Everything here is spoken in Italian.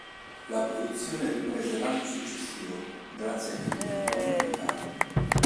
La produzione riprese l'anno successivo grazie ai figli Antonio e Carlo.